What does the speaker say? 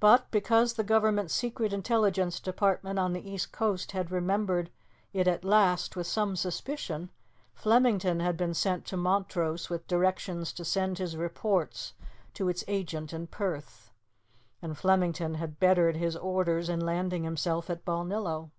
But because the Government's Secret Intelligence Department on the east coast had remembered it at last with some suspicion, Flemington had been sent to Montrose with directions to send his reports to its agent in Perth. And Flemington had bettered his orders in landing himself at Balnillo.